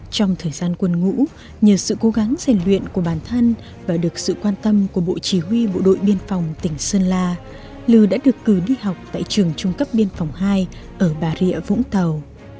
trong tháng giành luyện của bản thân và được sự quan tâm của bộ chỉ huy bộ đội biên phòng tỉnh sơn la lư đã được cử đi học tại trường trung cấp biên phòng hai ở bà rịa vũng tàu